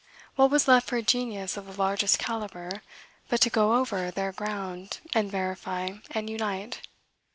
What was left for a genius of the largest calibre, but to go over their ground, and verify and unite?